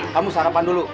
kamu sarapan dulu